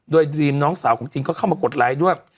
โดยดรีมน้องสาวของจีนก็เข้ามากดไลค์ด้วย